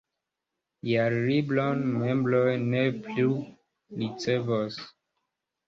Jarlibron membroj ne plu ricevos.